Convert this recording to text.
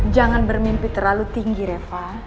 jangan bermimpi terlalu tinggi reva